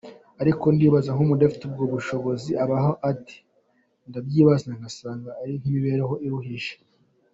Ariko ndibaza nk’umuntu udafite ubwo bushobozi abaho ate ? Ndabyibaza nkasanga ari imibereho iruhije.